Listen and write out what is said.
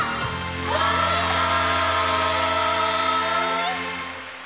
バイバイ！